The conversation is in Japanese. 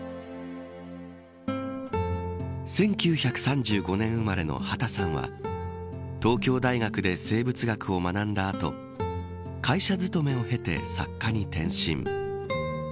１９３５年生まれの畑さんは東京大学で生物学を学んだ後会社勤めを経て作家に転身。